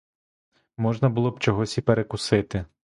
Можна було б чогось і перекусити.